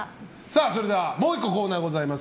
それではもう１個コーナーございます。